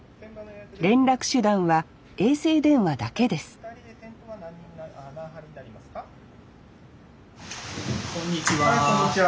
連絡手段は衛星電話だけですこんにちは。